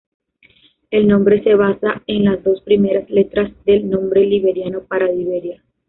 El nombre se basa en las dos primeras letras del nombre liberiano para Liberia.